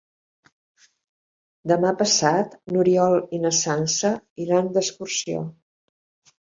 Demà passat n'Oriol i na Sança iran d'excursió.